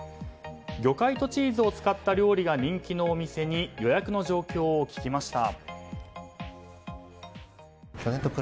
魚介とチーズを使った料理が人気のお店に予約の状況を聞きました。